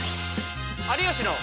「有吉の」。